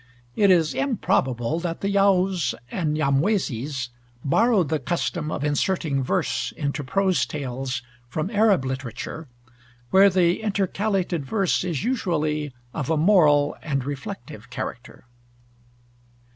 It is improbable that the Yaos and Nyamwezis borrowed the custom of inserting verse into prose tales from Arab literature, where the intercalated verse is usually of a moral and reflective character.